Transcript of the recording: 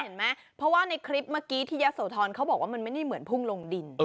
เห็นไหมเพราะว่าในคลิปเมื่อกี้ที่ยะโสธรเขาบอกว่ามันไม่ได้เหมือนพุ่งลงดิน